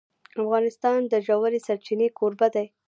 افغانستان د ژورې سرچینې کوربه دی.